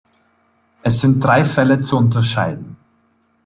Es sind drei Fälle zu unterscheiden.